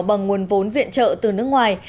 bằng nguồn vốn viện trợ từ nước ngoài